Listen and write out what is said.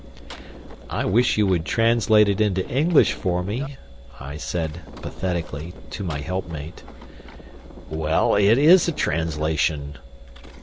"I wish you could translate it into English for me," I said, pathetically, to my help mate. "Well, it is a translation."